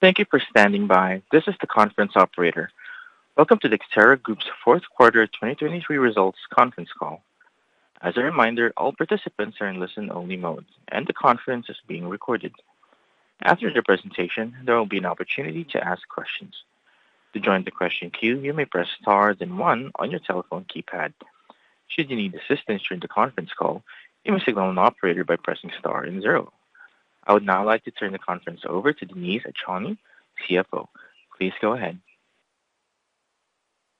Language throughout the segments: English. Thank you for standing by. This is the conference operator. Welcome to Dexterra Group's fourth quarter 2023 results conference call. As a reminder, all participants are in listen-only mode, and the conference is being recorded. After the presentation, there will be an opportunity to ask questions. To join the question queue, you may press star then one on your telephone keypad. Should you need assistance during the conference call, you may signal an operator by pressing star and zero. I would now like to turn the conference over to Denise Achonu, CFO. Please go ahead.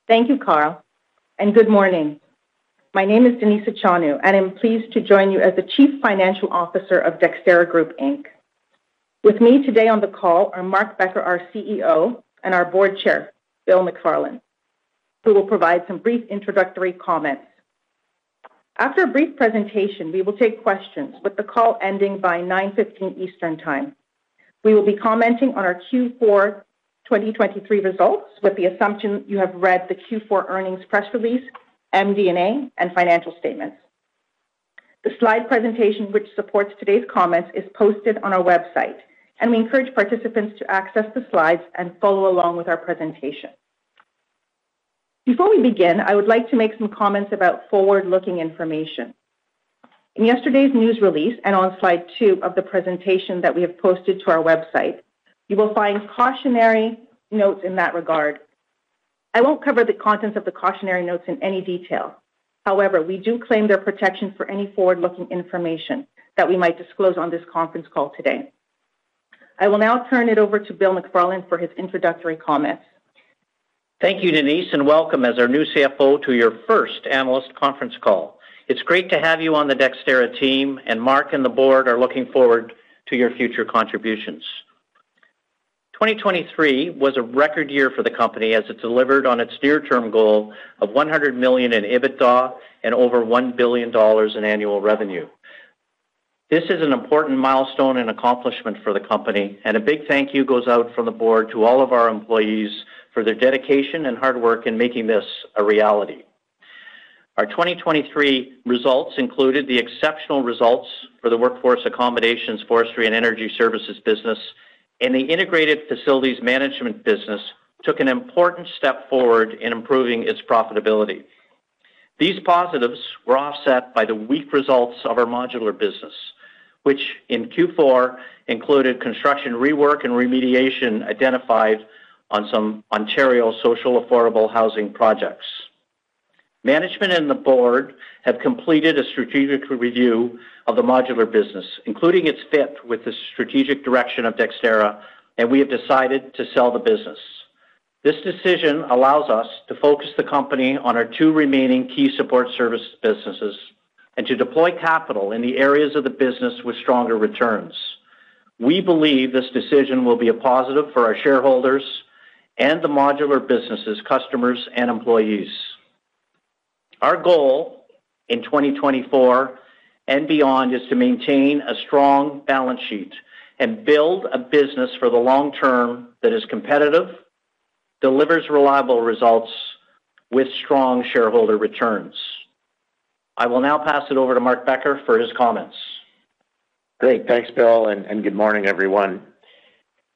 Thank you, Carl, and good morning. My name is Denise Achonu, and I'm pleased to join you as the Chief Financial Officer of Dexterra Group, Inc. With me today on the call are Mark Becker, our CEO, and our Board Chair, Bill McFarland, who will provide some brief introductory comments. After a brief presentation, we will take questions with the call ending by 9:15 A.M. Eastern Time. We will be commenting on our Q4 2023 results with the assumption you have read the Q4 earnings press release, MD&A, and financial statements. The slide presentation which supports today's comments is posted on our website, and we encourage participants to access the slides and follow along with our presentation. Before we begin, I would like to make some comments about forward-looking information. In yesterday's news release and on slide 2 of the presentation that we have posted to our website, you will find cautionary notes in that regard. I won't cover the contents of the cautionary notes in any detail. However, we do claim their protection for any forward-looking information that we might disclose on this conference call today. I will now turn it over to Bill McFarland for his introductory comments. Thank you, Denise, and welcome as our new CFO to your first analyst conference call. It's great to have you on the Dexterra team, and Mark and the board are looking forward to your future contributions. 2023 was a record year for the company as it delivered on its near-term goal of 100 million in EBITDA and over 1 billion dollars in annual revenue. This is an important milestone and accomplishment for the company, and a big thank you goes out from the board to all of our employees for their dedication and hard work in making this a reality. Our 2023 results included the exceptional results for the Workforce Accommodations, Forestry, and Energy Services business, and the Integrated Facilities Management business took an important step forward in improving its profitability. These positives were offset by the weak results of our modular business, which in Q4 included construction rework and remediation identified on some Ontario social affordable housing projects. Management and the board have completed a strategic review of the modular business, including its fit with the strategic direction of Dexterra, and we have decided to sell the business. This decision allows us to focus the company on our two remaining key support service businesses and to deploy capital in the areas of the business with stronger returns. We believe this decision will be a positive for our shareholders and the modular business's customers and employees. Our goal in 2024 and beyond is to maintain a strong balance sheet and build a business for the long term that is competitive, delivers reliable results with strong shareholder returns. I will now pass it over to Mark Becker for his comments. Great. Thanks, Bill, and good morning, everyone.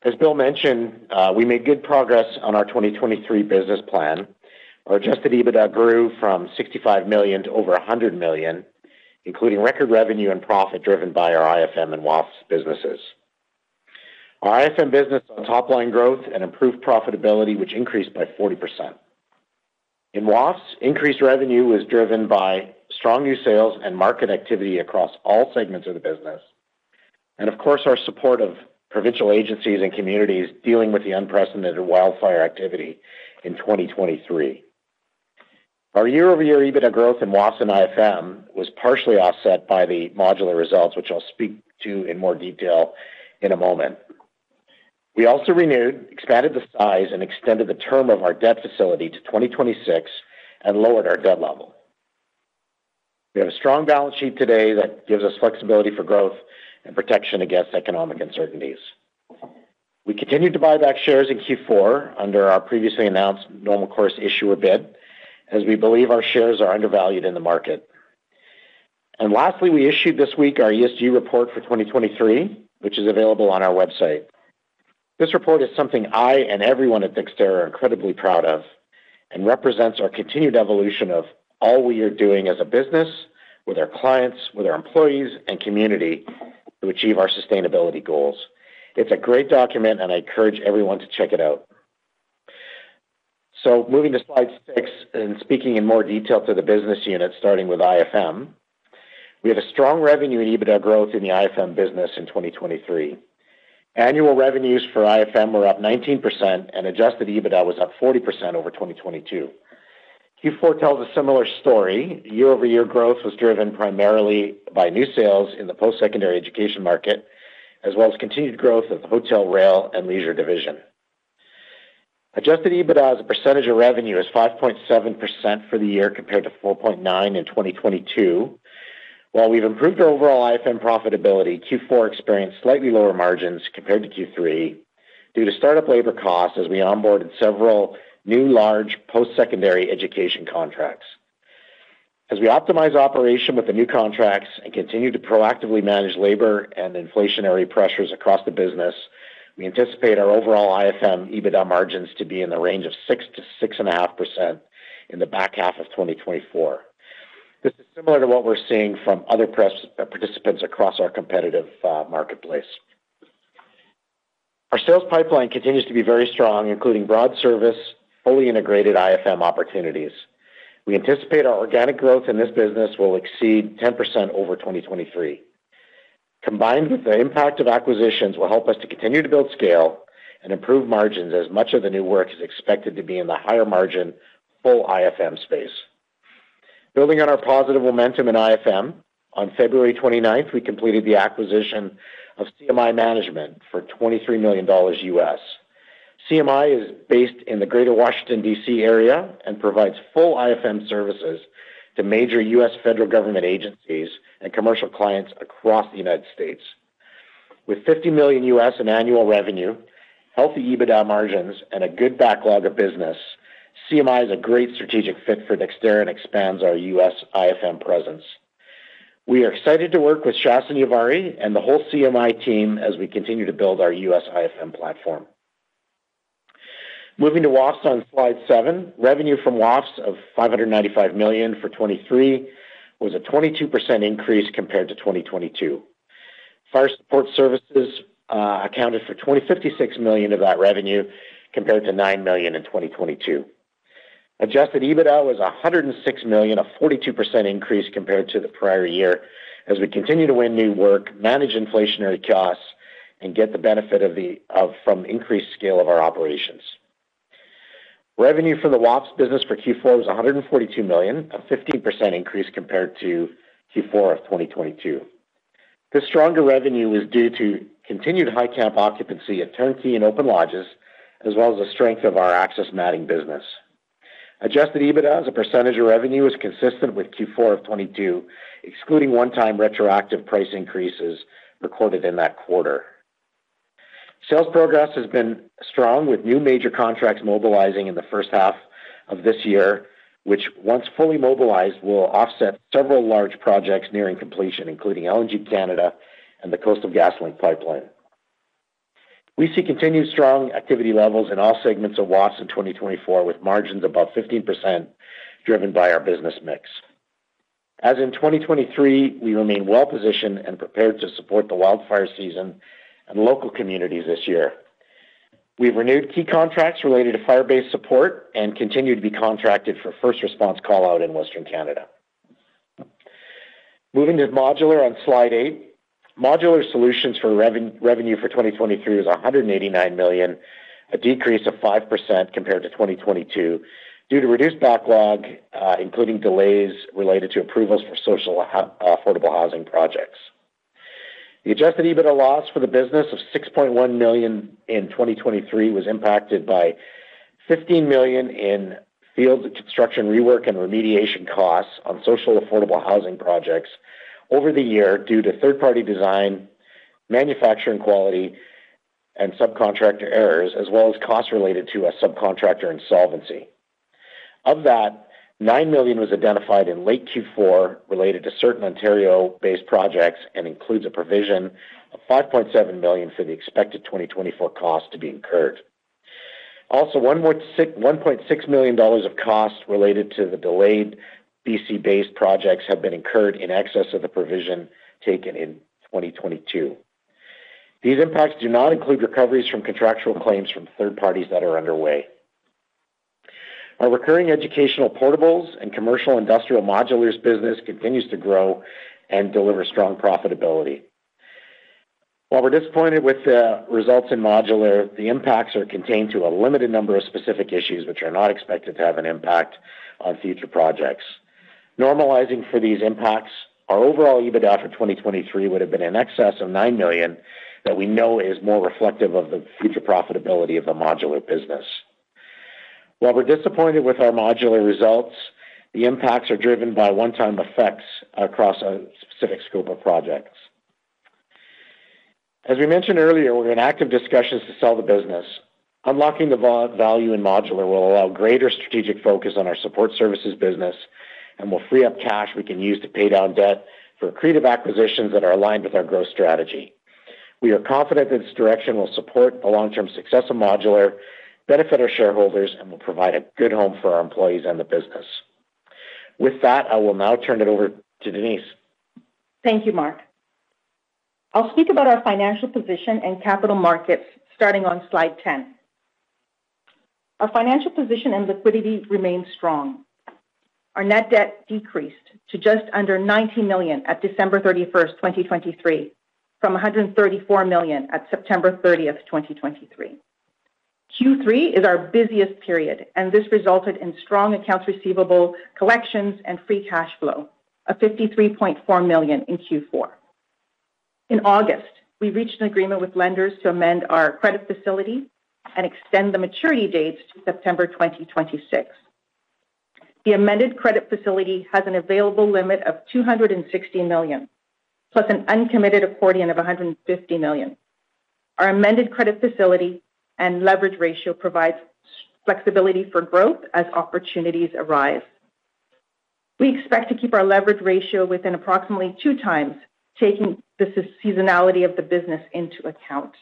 As Bill mentioned, we made good progress on our 2023 business plan. Our Adjusted EBITDA grew from 65 million to over 100 million, including record revenue and profit driven by our IFM and WAFS businesses. Our IFM business saw top-line growth and improved profitability, which increased by 40%. In WAFS, increased revenue was driven by strong new sales and market activity across all segments of the business, and of course, our support of provincial agencies and communities dealing with the unprecedented wildfire activity in 2023. Our year-over-year EBITDA growth in WAFS and IFM was partially offset by the modular results, which I'll speak to in more detail in a moment. We also renewed, expanded the size, and extended the term of our debt facility to 2026 and lowered our debt level. We have a strong balance sheet today that gives us flexibility for growth and protection against economic uncertainties. We continued to buy back shares in Q4 under our previously announced Normal Course Issuer Bid as we believe our shares are undervalued in the market. Lastly, we issued this week our ESG report for 2023, which is available on our website. This report is something I and everyone at Dexterra are incredibly proud of and represents our continued evolution of all we are doing as a business with our clients, with our employees, and community to achieve our sustainability goals. It's a great document, and I encourage everyone to check it out. Moving to slide six and speaking in more detail to the business unit, starting with IFM, we had a strong revenue and EBITDA growth in the IFM business in 2023. Annual revenues for IFM were up 19%, and Adjusted EBITDA was up 40% over 2022. Q4 tells a similar story. Year-over-year growth was driven primarily by new sales in the post-secondary education market, as well as continued growth of the hotel, rail, and leisure division. Adjusted EBITDA as a percentage of revenue is 5.7% for the year compared to 4.9% in 2022. While we've improved our overall IFM profitability, Q4 experienced slightly lower margins compared to Q3 due to startup labor costs as we onboarded several new large post-secondary education contracts. As we optimize operation with the new contracts and continue to proactively manage labor and inflationary pressures across the business, we anticipate our overall IFM EBITDA margins to be in the range of 6%-6.5% in the back half of 2024. This is similar to what we're seeing from other participants across our competitive marketplace. Our sales pipeline continues to be very strong, including broad service, fully integrated IFM opportunities. We anticipate our organic growth in this business will exceed 10% over 2023. Combined with the impact of acquisitions will help us to continue to build scale and improve margins as much of the new work is expected to be in the higher margin full IFM space. Building on our positive momentum in IFM, on February 29th, we completed the acquisition of CMI Management for $23 million. CMI is based in the Greater Washington, D.C. area and provides full IFM services to major U.S. federal government agencies and commercial clients across the United States. With $50 million in annual revenue, healthy EBITDA margins, and a good backlog of business, CMI is a great strategic fit for Dexterra and expands our U.S. IFM presence. We are excited to work with Abe and Azzi and the whole CMI team as we continue to build our U.S. IFM platform. Moving to WAFS on slide seven, revenue from WAFS of 595 million for 2023 was a 22% increase compared to 2022. Fire support services accounted for 20.6 million of that revenue compared to 9 million in 2022. Adjusted EBITDA was 106 million, a 42% increase compared to the prior year as we continue to win new work, manage inflationary costs, and get the benefit from increased scale of our operations. Revenue from the WAFS business for Q4 was 142 million, a 15% increase compared to Q4 of 2022. This stronger revenue was due to continued high-camp occupancy at turnkey and open lodges, as well as the strength of our access matting business. Adjusted EBITDA as a percentage of revenue is consistent with Q4 of 2022, excluding one-time retroactive price increases recorded in that quarter. Sales progress has been strong with new major contracts mobilizing in the first half of this year, which once fully mobilized will offset several large projects nearing completion, including LNG Canada and the Coastal GasLink pipeline. We see continued strong activity levels in all segments of WAFS in 2024 with margins above 15% driven by our business mix. As in 2023, we remain well-positioned and prepared to support the wildfire season and local communities this year. We've renewed key contracts related to fire-based support and continue to be contracted for first response callout in Western Canada. Moving to modular on slide 8, modular solutions for revenue for 2023 was 189 million, a decrease of 5% compared to 2022 due to reduced backlog, including delays related to approvals for social affordable housing projects. The Adjusted EBITDA loss for the business of 6.1 million in 2023 was impacted by 15 million in field construction rework and remediation costs on social affordable housing projects over the year due to third-party design, manufacturing quality, and subcontractor errors, as well as costs related to a subcontractor insolvency. Of that, 9 million was identified in late Q4 related to certain Ontario-based projects and includes a provision of 5.7 million for the expected 2024 costs to be incurred. Also, 1.6 million dollars of costs related to the delayed BC-based projects have been incurred in excess of the provision taken in 2022. These impacts do not include recoveries from contractual claims from third parties that are underway. Our recurring educational portables and commercial industrial modulars business continues to grow and deliver strong profitability. While we're disappointed with the results in modular, the impacts are contained to a limited number of specific issues, which are not expected to have an impact on future projects. Normalizing for these impacts, our overall EBITDA for 2023 would have been in excess of 9 million that we know is more reflective of the future profitability of the modular business. While we're disappointed with our modular results, the impacts are driven by one-time effects across a specific scope of projects. As we mentioned earlier, we're in active discussions to sell the business. Unlocking the value in modular will allow greater strategic focus on our support services business and will free up cash we can use to pay down debt for creative acquisitions that are aligned with our growth strategy. We are confident that this direction will support the long-term success of modular, benefit our shareholders, and will provide a good home for our employees and the business. With that, I will now turn it over to Denise. Thank you, Mark. I'll speak about our financial position and capital markets starting on slide 10. Our financial position and liquidity remained strong. Our net debt decreased to just under 19 million at December 31st, 2023, from 134 million at September 30th, 2023. Q3 is our busiest period, and this resulted in strong accounts receivable collections and free cash flow, a 53.4 million in Q4. In August, we reached an agreement with lenders to amend our credit facility and extend the maturity dates to September 2026. The amended credit facility has an available limit of 260 million, plus an uncommitted accordion of 150 million. Our amended credit facility and leverage ratio provides flexibility for growth as opportunities arise. We expect to keep our leverage ratio within approximately two times, taking the seasonality of the business into account.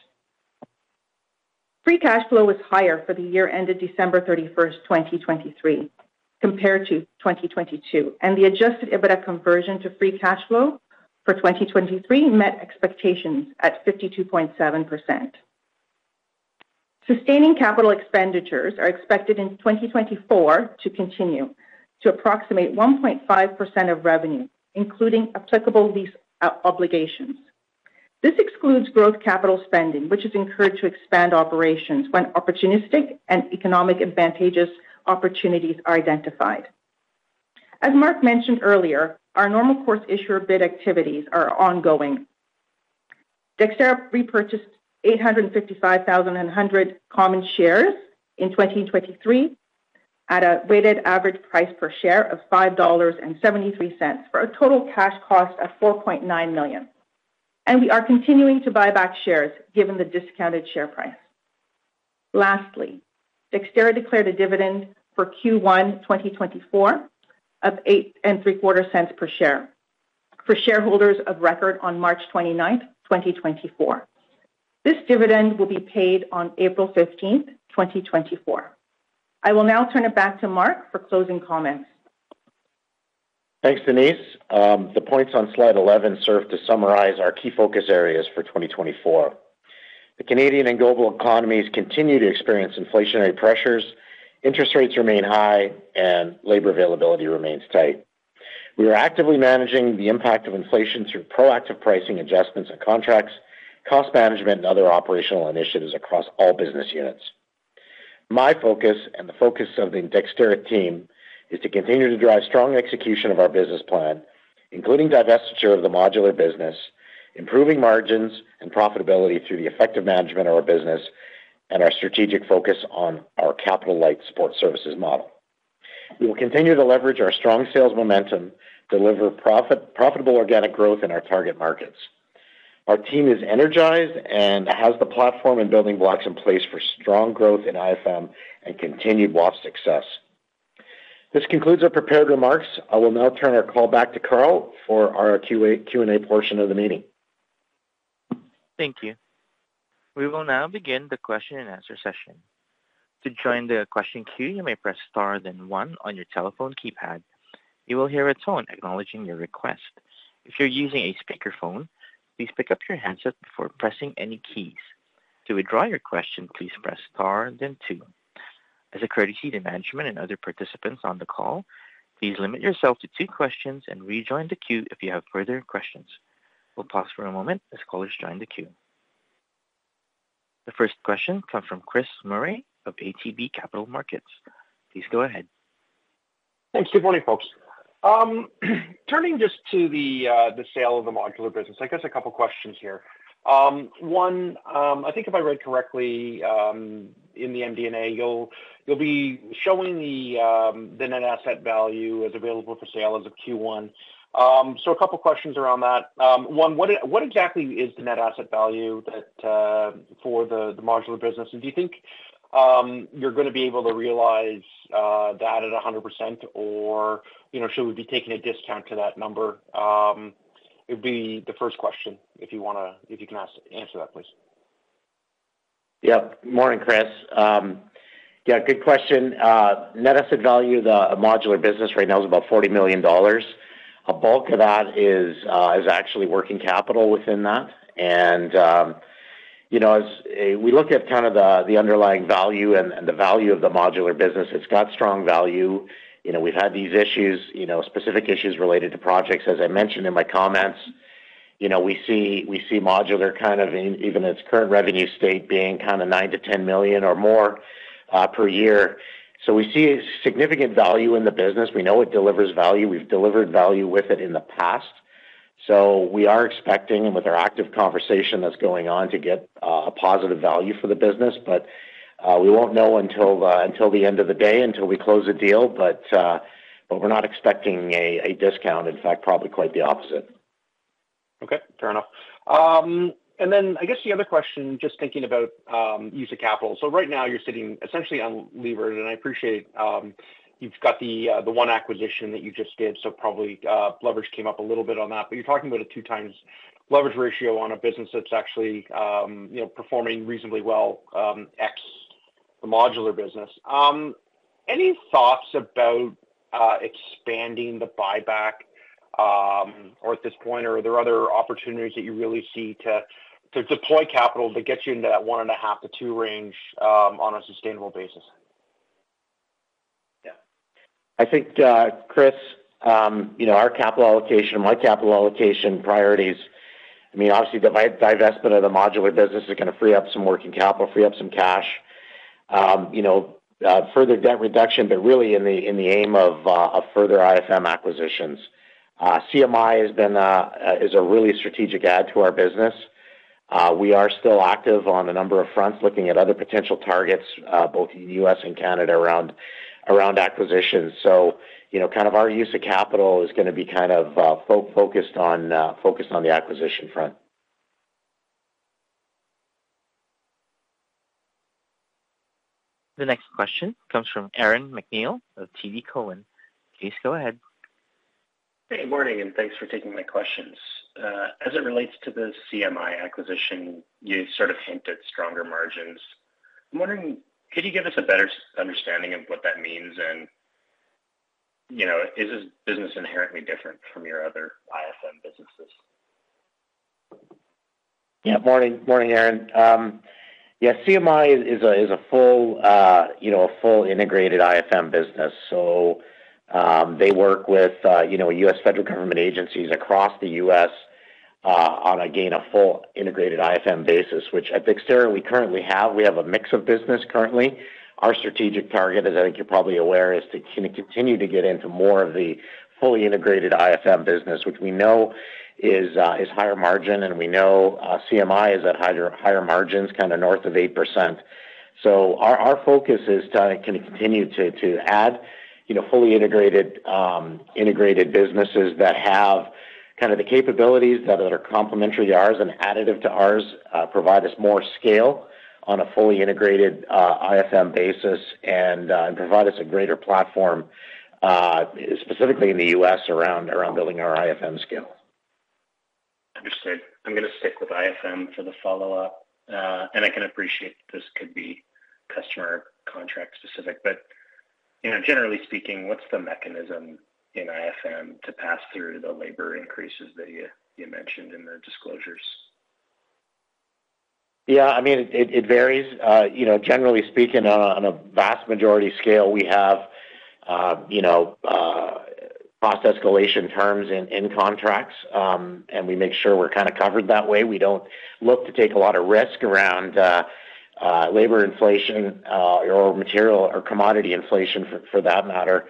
Free cash flow was higher for the year ended December 31st, 2023, compared to 2022, and the Adjusted EBITDA conversion to free cash flow for 2023 met expectations at 52.7%. Sustaining capital expenditures are expected in 2024 to continue to approximate 1.5% of revenue, including applicable lease obligations. This excludes growth capital spending, which is encouraged to expand operations when opportunistic and economic advantageous opportunities are identified. As Mark mentioned earlier, our Normal Course Issuer Bid activities are ongoing. Dexterra repurchased 855,100 common shares in 2023 at a weighted average price per share of 5.73 dollars for a total cash cost of 4.9 million. And we are continuing to buy back shares given the discounted share price. Lastly, Dexterra declared a dividend for Q1 2024 of 0.0875 per share for shareholders of record on March 29th, 2024. This dividend will be paid on April 15th, 2024. I will now turn it back to Mark for closing comments. Thanks, Denise. The points on slide 11 serve to summarize our key focus areas for 2024. The Canadian and global economies continue to experience inflationary pressures. Interest rates remain high, and labor availability remains tight. We are actively managing the impact of inflation through proactive pricing adjustments and contracts, cost management, and other operational initiatives across all business units. My focus and the focus of the Dexterra team is to continue to drive strong execution of our business plan, including divestiture of the modular business, improving margins and profitability through the effective management of our business, and our strategic focus on our capital-light support services model. We will continue to leverage our strong sales momentum, deliver profitable organic growth in our target markets. Our team is energized and has the platform and building blocks in place for strong growth in IFM and continued WAFS success. This concludes our prepared remarks. I will now turn our call back to Carl for our Q&A portion of the meeting. Thank you. We will now begin the question and answer session. To join the question queue, you may press star then one on your telephone keypad. You will hear a tone acknowledging your request. If you're using a speakerphone, please pick up your handset before pressing any keys. To withdraw your question, please press star then two. As a courtesy to management and other participants on the call, please limit yourself to two questions and rejoin the queue if you have further questions. We'll pause for a moment as callers join the queue. The first question comes from Chris Murray of ATB Capital Markets. Please go ahead. Thanks. Good morning, folks. Turning just to the sale of the modular business, I guess a couple of questions here. One, I think if I read correctly in the MD&A, you'll be showing the net asset value as available for sale as of Q1. So a couple of questions around that. One, what exactly is the net asset value for the modular business? And do you think you're going to be able to realize that at 100%, or should we be taking a discount to that number? It would be the first question if you can answer that, please. Yeah. Morning, Chris. Yeah, good question. Net asset value of the modular business right now is about 40 million dollars. A bulk of that is actually working capital within that. And as we look at kind of the underlying value and the value of the modular business, it's got strong value. We've had these issues, specific issues related to projects. As I mentioned in my comments, we see modular kind of even its current revenue state being kind of 9 million-10 million or more per year. So we see significant value in the business. We know it delivers value. We've delivered value with it in the past. So we are expecting, and with our active conversation that's going on, to get a positive value for the business. But we won't know until the end of the day, until we close a deal. But we're not expecting a discount. In fact, probably quite the opposite. Okay. Fair enough. And then I guess the other question, just thinking about use of capital. So right now, you're sitting essentially on leverage, and I appreciate you've got the one acquisition that you just did. So probably leverage came up a little bit on that. But you're talking about a two times leverage ratio on a business that's actually performing reasonably well, X, the modular business. Any thoughts about expanding the buyback at this point, or are there other opportunities that you really see to deploy capital to get you into that 1.5-2 range on a sustainable basis? Yeah. I think, Chris, our capital allocation and my capital allocation priorities, I mean, obviously, the divestment of the modular business is going to free up some working capital, free up some cash, further debt reduction, but really in the aim of further IFM acquisitions. CMI is a really strategic add to our business. We are still active on a number of fronts, looking at other potential targets, both in the U.S. and Canada, around acquisitions. So kind of our use of capital is going to be kind of focused on the acquisition front. The next question comes from Aaron MacNeil of TD Cowen. Please go ahead. Hey. Morning, and thanks for taking my questions. As it relates to the CMI acquisition, you sort of hinted stronger margins. I'm wondering, could you give us a better understanding of what that means? And is this business inherently different from your other IFM businesses? Yeah. Morning, Aaron. Yeah. CMI is a full integrated IFM business. So they work with U.S. federal government agencies across the U.S. on, again, a full integrated IFM basis, which at Dexterra, we currently have. We have a mix of business currently. Our strategic target, as I think you're probably aware, is to continue to get into more of the fully integrated IFM business, which we know is higher margin, and we know CMI is at higher margins, kind of north of 8%. So our focus is to continue to add fully integrated businesses that have kind of the capabilities that are complementary to ours and additive to ours, provide us more scale on a fully integrated IFM basis, and provide us a greater platform, specifically in the U.S., around building our IFM scale. Understood. I'm going to stick with IFM for the follow-up. I can appreciate this could be customer contract-specific. Generally speaking, what's the mechanism in IFM to pass through the labor increases that you mentioned in the disclosures? Yeah. I mean, it varies. Generally speaking, on a vast majority scale, we have cost escalation terms in contracts, and we make sure we're kind of covered that way. We don't look to take a lot of risk around labor inflation or material or commodity inflation, for that matter.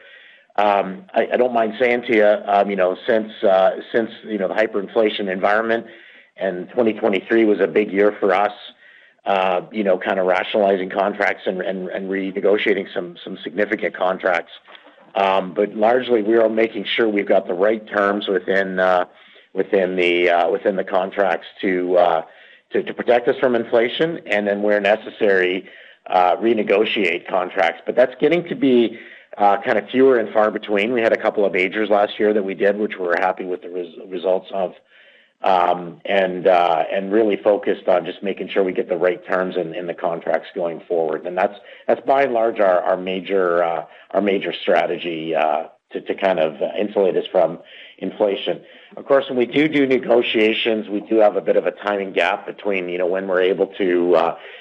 I don't mind saying to you, since the hyperinflation environment and 2023 was a big year for us, kind of rationalizing contracts and renegotiating some significant contracts. But largely, we're all making sure we've got the right terms within the contracts to protect us from inflation, and then where necessary, renegotiate contracts. But that's getting to be kind of fewer and far between. We had a couple of larger last year that we did, which we're happy with the results of, and really focused on just making sure we get the right terms in the contracts going forward. That's, by and large, our major strategy to kind of insulate us from inflation. Of course, when we do do negotiations, we do have a bit of a timing gap between when we're able to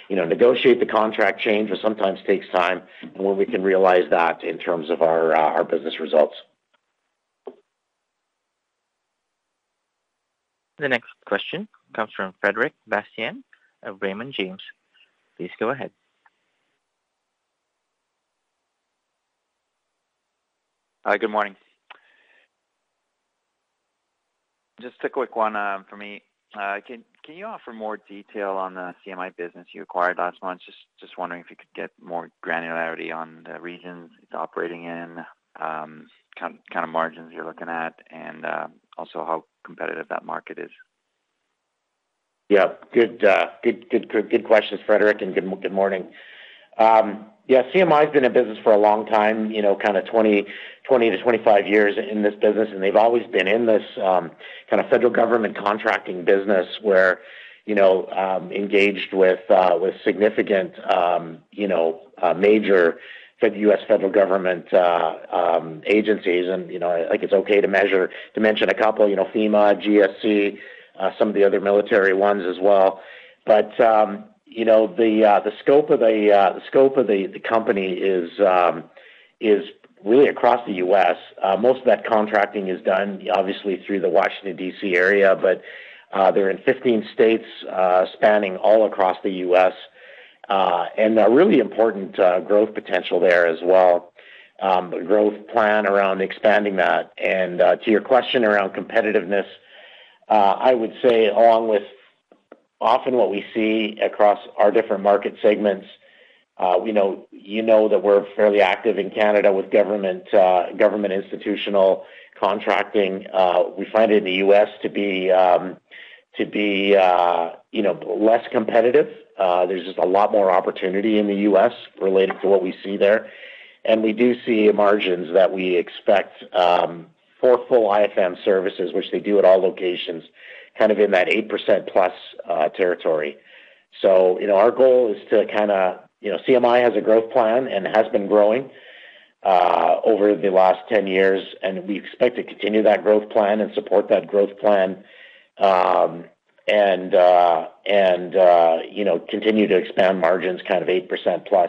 negotiate the contract change, which sometimes takes time, and when we can realize that in terms of our business results. The next question comes from Frederic Bastien of Raymond James. Please go ahead. Hi. Good morning. Just a quick one for me. Can you offer more detail on the CMI business you acquired last month? Just wondering if you could get more granularity on the regions it's operating in, kind of margins you're looking at, and also how competitive that market is? Yeah. Good questions, Frederick, and good morning. Yeah. CMI has been in business for a long time, kind of 20-25 years in this business. And they've always been in this kind of federal government contracting business where engaged with significant, major U.S. federal government agencies. And I think it's okay to mention a couple, FEMA, GSA, some of the other military ones as well. But the scope of the company is really across the U.S. Most of that contracting is done, obviously, through the Washington, D.C. area. But they're in 15 states spanning all across the U.S. And there are really important growth potentials there as well, a growth plan around expanding that. And to your question around competitiveness, I would say, along with often what we see across our different market segments, you know that we're fairly active in Canada with government institutional contracting. We find it in the U.S. to be less competitive. There's just a lot more opportunity in the U.S. related to what we see there. And we do see margins that we expect for full IFM services, which they do at all locations, kind of in that 8%+ territory. So our goal is to kind of CMI has a growth plan and has been growing over the last 10 years. And we expect to continue that growth plan and support that growth plan and continue to expand margins, kind of 8%+.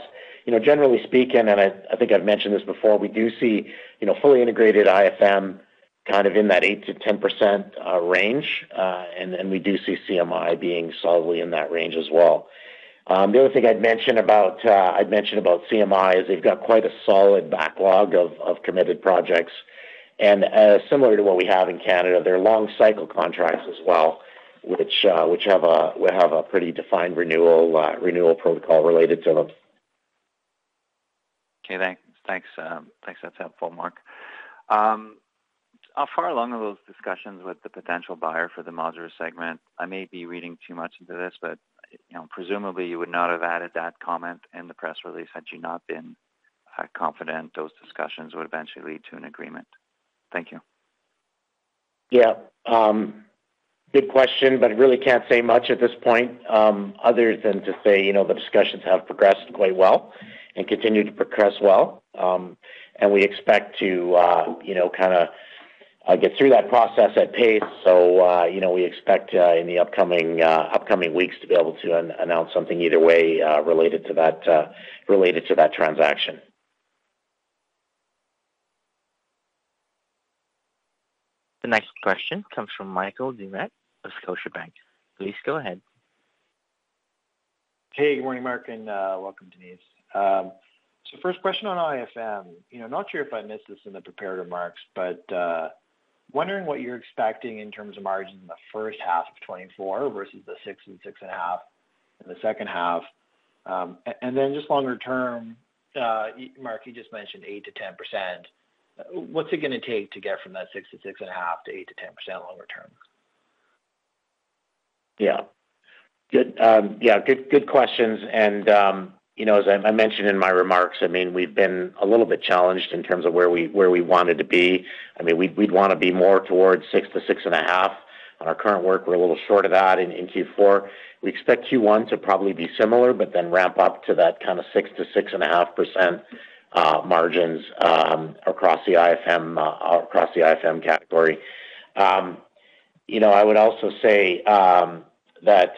Generally speaking, and I think I've mentioned this before, we do see fully integrated IFM kind of in that 8%-10% range. And we do see CMI being solidly in that range as well. The other thing I'd mention about CMI is they've got quite a solid backlog of committed projects. Similar to what we have in Canada, they're long-cycle contracts as well, which have a pretty defined renewal protocol related to them. Okay. Thanks. That's helpful, Mark. How far along are those discussions with the potential buyer for the modular segment? I may be reading too much into this, but presumably, you would not have added that comment in the press release had you not been confident those discussions would eventually lead to an agreement. Thank you. Yeah. Good question, but I really can't say much at this point other than to say the discussions have progressed quite well and continue to progress well. We expect to kind of get through that process at pace. We expect in the upcoming weeks to be able to announce something either way related to that transaction. The next question comes from Michael Doumet of Scotiabank. Please go ahead. Hey. Good morning, Mark, and welcome, Denise. So first question on IFM. Not sure if I missed this in the prepared remarks, but wondering what you're expecting in terms of margins in the first half of 2024 versus the 6% and 6.5% in the second half. Then just longer term, Mark, you just mentioned 8%-10%. What's it going to take to get from that 6%-6.5% to 8%-10% longer term? Yeah. Good questions. As I mentioned in my remarks, I mean, we've been a little bit challenged in terms of where we wanted to be. I mean, we'd want to be more towards 6%-6.5%. On our current work, we're a little short of that in Q4. We expect Q1 to probably be similar but then ramp up to that kind of 6%-6.5% margins across the IFM category. I would also say that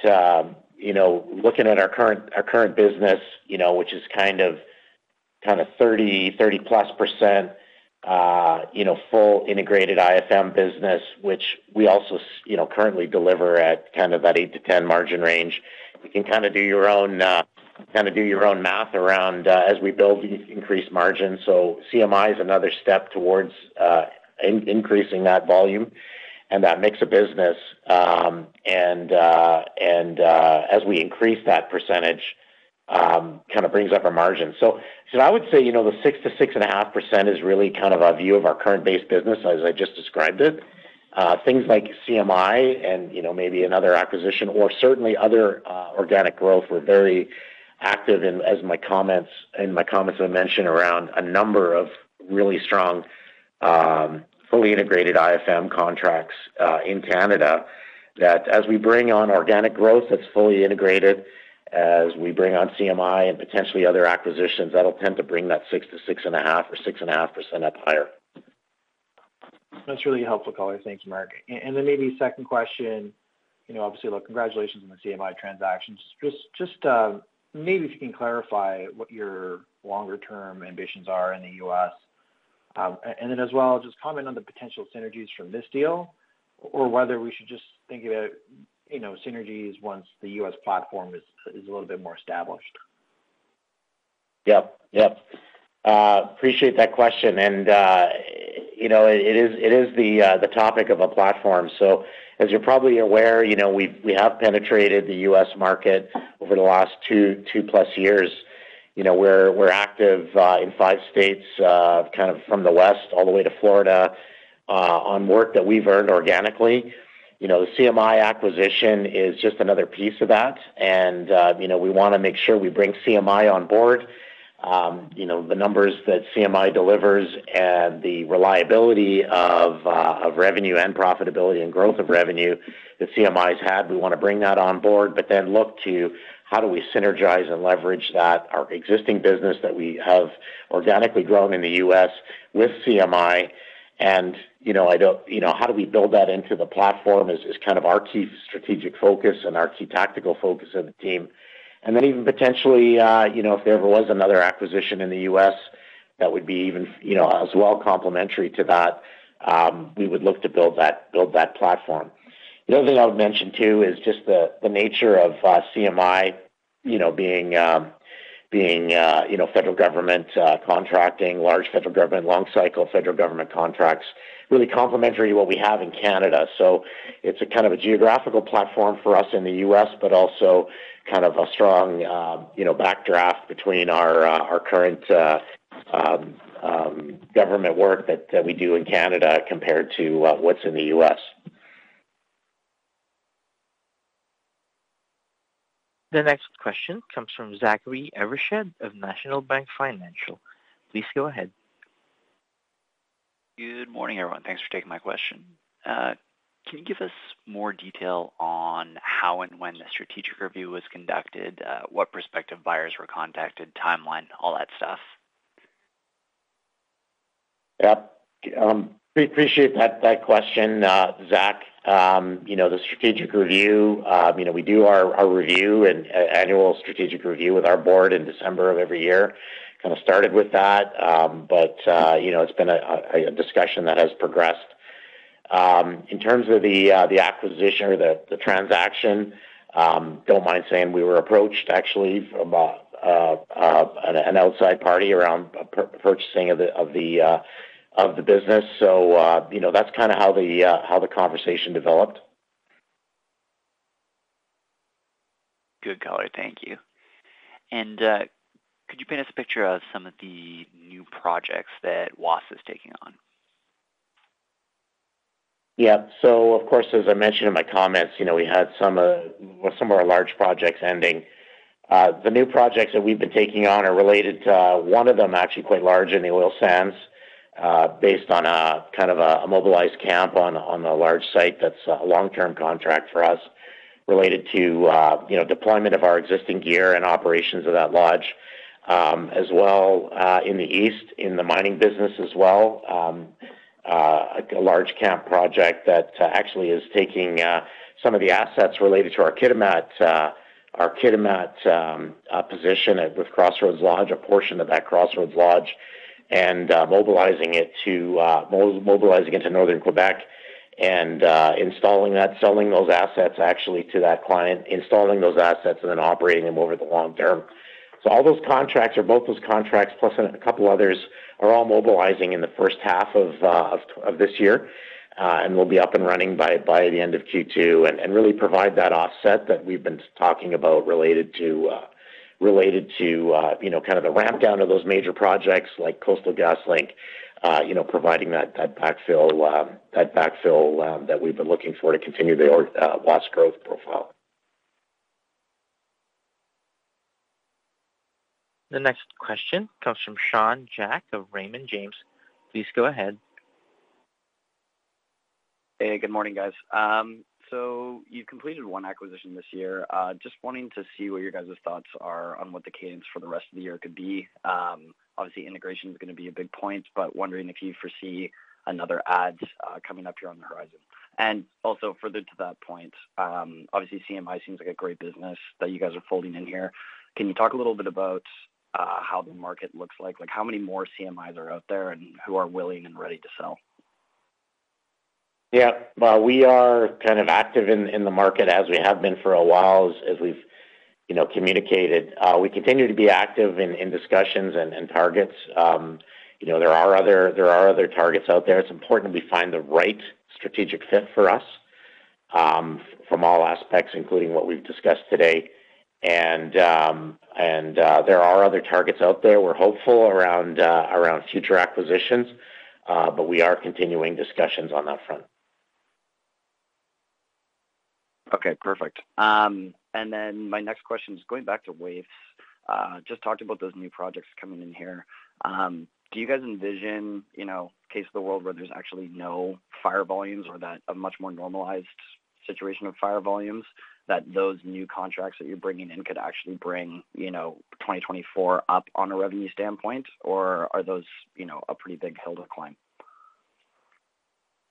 looking at our current business, which is kind of 30+% full integrated IFM business, which we also currently deliver at kind of that 8%-10% margin range, you can kind of do your own kind of do your own math around, as we build, we increase margins. So CMI is another step towards increasing that volume. And that makes a business. As we increase that percentage, kind of brings up our margins. So I would say the 6%-6.5% is really kind of our view of our current base business as I just described it. Things like CMI and maybe another acquisition or certainly other organic growth, we're very active in, as my comments I mentioned, around a number of really strong fully integrated IFM contracts in Canada that as we bring on organic growth that's fully integrated, as we bring on CMI and potentially other acquisitions, that'll tend to bring that 6%-6.5% or 6.5% up higher. That's really helpful color. Thank you, Mark. And then maybe second question, obviously, congratulations on the CMI transactions. Just maybe if you can clarify what your longer-term ambitions are in the U.S. And then as well, just comment on the potential synergies from this deal or whether we should just think about synergies once the U.S. platform is a little bit more established. Yep. Yep. Appreciate that question. It is the topic of a platform. So as you're probably aware, we have penetrated the U.S. market over the last 2+ years. We're active in five states, kind of from the west all the way to Florida, on work that we've earned organically. The CMI acquisition is just another piece of that. And we want to make sure we bring CMI on board. The numbers that CMI delivers and the reliability of revenue and profitability and growth of revenue that CMI has had, we want to bring that on board but then look to how do we synergize and leverage that, our existing business that we have organically grown in the U.S. with CMI? And I don't how do we build that into the platform is kind of our key strategic focus and our key tactical focus of the team. Then even potentially, if there ever was another acquisition in the U.S. that would be even as well complementary to that, we would look to build that platform. The other thing I would mention too is just the nature of CMI being federal government contracting, large federal government, long-cycle federal government contracts, really complementary to what we have in Canada. It's kind of a geographical platform for us in the U.S. but also kind of a strong backdrop between our current government work that we do in Canada compared to what's in the U.S. The next question comes from Zachary Evershed of National Bank Financial. Please go ahead. Good morning, everyone. Thanks for taking my question. Can you give us more detail on how and when the strategic review was conducted, what prospective buyers were contacted, timeline, all that stuff? Yep. Appreciate that question, Zach. The strategic review, we do our review, an annual strategic review with our board in December of every year. Kind of started with that. But it's been a discussion that has progressed. In terms of the acquisition or the transaction, don't mind saying we were approached, actually, from an outside party around purchasing of the business. So that's kind of how the conversation developed. Good color. Thank you. Could you paint us a picture of some of the new projects that WAFS is taking on? Yep. So of course, as I mentioned in my comments, we had some of our large projects ending. The new projects that we've been taking on are related to one of them, actually quite large, in the Oil Sands based on kind of a mobilized camp on a large site that's a long-term contract for us related to deployment of our existing gear and operations of that lodge as well in the east, in the mining business as well, a large camp project that actually is taking some of the assets related to our Kitimat position with Crossroads Lodge, a portion of that Crossroads Lodge, and mobilizing it to northern Quebec and installing that, selling those assets actually to that client, installing those assets, and then operating them over the long term. All those contracts or both those contracts plus a couple others are all mobilizing in the first half of this year. We'll be up and running by the end of Q2 and really provide that offset that we've been talking about related to kind of the rampdown of those major projects like Coastal GasLink, providing that backfill that we've been looking for to continue the WAFS growth profile. The next question comes from Sean Jack of Raymond James. Please go ahead. Hey. Good morning, guys. So you've completed one acquisition this year. Just wanting to see what your guys' thoughts are on what the cadence for the rest of the year could be. Obviously, integration is going to be a big point but wondering if you foresee another add coming up here on the horizon. And also further to that point, obviously, CMI seems like a great business that you guys are folding in here. Can you talk a little bit about how the market looks like, how many more CMIs are out there, and who are willing and ready to sell? Yep. We are kind of active in the market as we have been for a while as we've communicated. We continue to be active in discussions and targets. There are other targets out there. It's important that we find the right strategic fit for us from all aspects, including what we've discussed today. And there are other targets out there. We're hopeful around future acquisitions. But we are continuing discussions on that front. Okay. Perfect. And then my next question is going back to WAFS. Just talked about those new projects coming in here. Do you guys envision, in case of the world where there's actually no fire volumes or a much more normalized situation of fire volumes, that those new contracts that you're bringing in could actually bring 2024 up on a revenue standpoint? Or are those a pretty big hill to climb?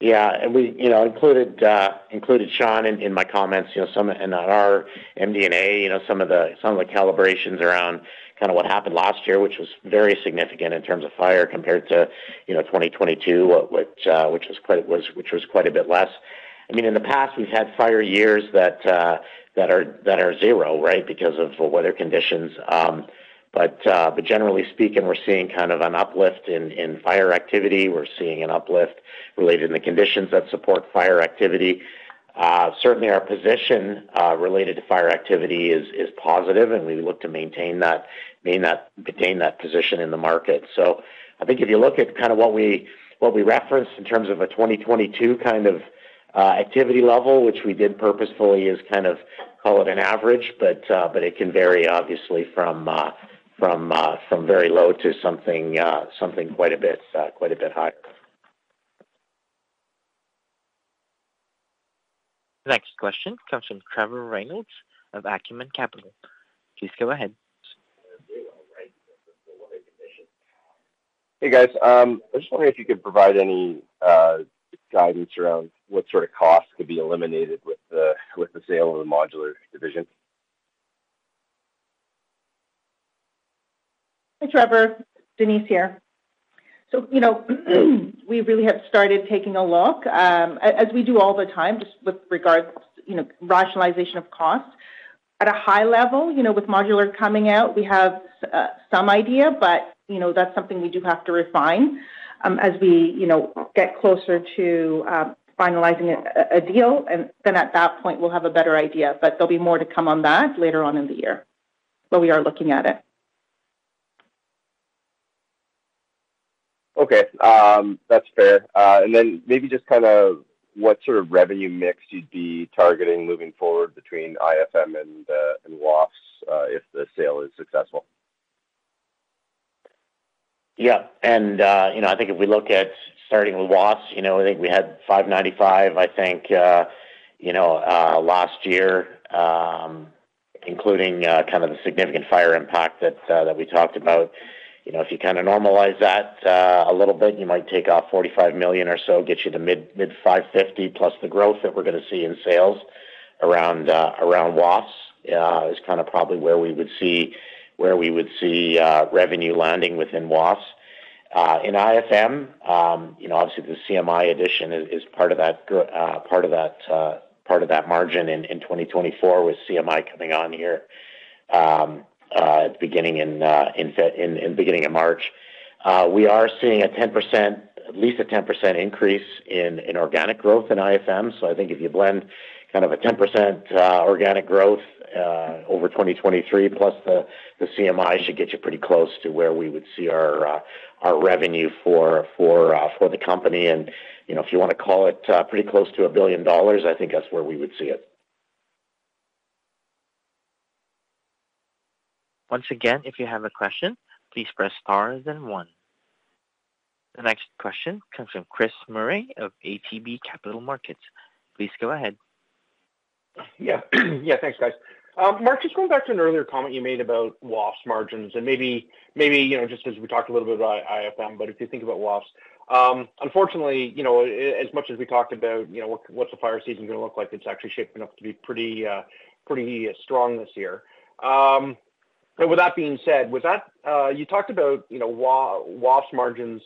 Yeah. We included Sean in my comments. Some in our MD&A, some of the calibrations around kind of what happened last year, which was very significant in terms of fire compared to 2022, which was quite a bit less. I mean, in the past, we've had fire years that are zero, right, because of the weather conditions. But generally speaking, we're seeing kind of an uplift in fire activity. We're seeing an uplift related in the conditions that support fire activity. Certainly, our position related to fire activity is positive. We look to maintain that position in the market. So I think if you look at kind of what we referenced in terms of a 2022 kind of activity level, which we did purposefully as kind of call it an average, but it can vary, obviously, from very low to something quite a bit higher. The next question comes from Trevor Reynolds of Acumen Capital. Please go ahead. Hey, guys. I just wonder if you could provide any guidance around what sort of costs could be eliminated with the sale of the modular division? Hi, Trevor. Denise here. So we really have started taking a look, as we do all the time just with regards to rationalization of cost. At a high level, with modular coming out, we have some idea. But that's something we do have to refine as we get closer to finalizing a deal. And then at that point, we'll have a better idea. But there'll be more to come on that later on in the year. But we are looking at it. Okay. That's fair. And then maybe just kind of what sort of revenue mix you'd be targeting moving forward between IFM and WAFS if the sale is successful? Yeah. I think if we look at starting with WAFS, I think we had 595 million, I think, last year, including kind of the significant fire impact that we talked about. If you kind of normalize that a little bit, you might take off 45 million or so, get you to mid-CAD 550+ million the growth that we're going to see in sales around WAFS. It's kind of probably where we would see revenue landing within WAFS. In IFM, obviously, the CMI addition is part of that margin in 2024 with CMI coming on here at the beginning in March we are seeing at least a 10% increase in organic growth in IFM. I think if you blend kind of a 10% organic growth over 2023 plus the CMI, it should get you pretty close to where we would see our revenue for the company. If you want to call it pretty close to 1 billion dollars, I think that's where we would see it. Once again, if you have a question, please press star then one. The next question comes from Chris Murray of ATB Capital Markets. Please go ahead. Yeah. Yeah. Thanks, guys. Mark, just going back to an earlier comment you made about WAFS margins and maybe just as we talked a little bit about IFM, but if you think about WAFS, unfortunately, as much as we talked about what's the fire season going to look like, it's actually shaping up to be pretty strong this year. But with that being said, you talked about WAFS margins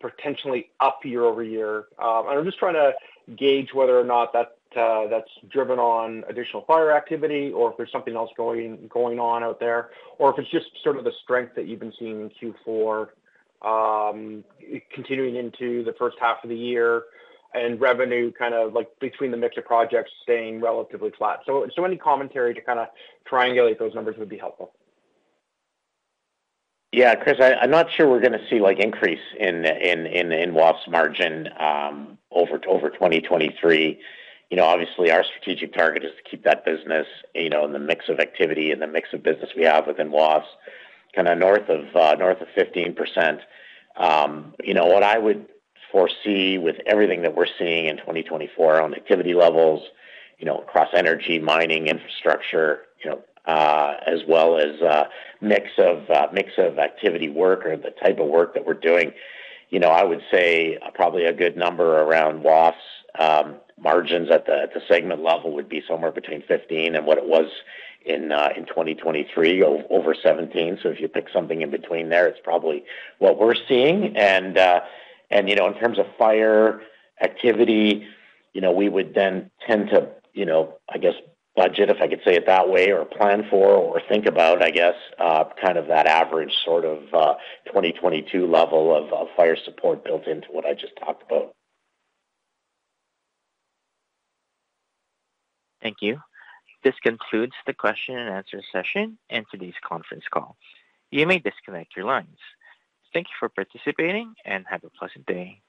potentially up year-over-year. And I'm just trying to gauge whether or not that's driven on additional fire activity or if there's something else going on out there or if it's just sort of the strength that you've been seeing in Q4 continuing into the first half of the year and revenue kind of between the mix of projects staying relatively flat. So any commentary to kind of triangulate those numbers would be helpful. Yeah. Chris, I'm not sure we're going to see an increase in WAFES margin over 2023. Obviously, our strategic target is to keep that business in the mix of activity and the mix of business we have within WAFES, kind of north of 15%. What I would foresee with everything that we're seeing in 2024 on activity levels across energy, mining, infrastructure, as well as mix of activity work or the type of work that we're doing, I would say probably a good number around WAFS margins at the segment level would be somewhere between 15% and what it was in 2023, over 17%. So if you pick something in between there, it's probably what we're seeing. In terms of fire activity, we would then tend to, I guess, budget, if I could say it that way, or plan for or think about, I guess, kind of that average sort of 2022 level of fire support built into what I just talked about. Thank you. This concludes the question-and-answer session and today's conference call. You may disconnect your lines. Thank you for participating, and have a pleasant day.